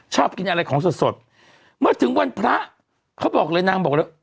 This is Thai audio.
ชอบกินอะไรของสดสดเมื่อถึงวันพระเขาบอกเลยนางบอกเลย